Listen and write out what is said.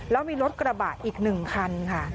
แล้วมีรถกระบะอีก๑คันค่ะ